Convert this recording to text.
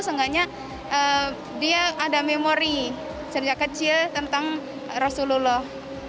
seenggaknya dia ada memori sejak kecil tentang rasulullah